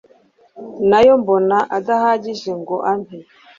nayo mbona adahagije ngo ampe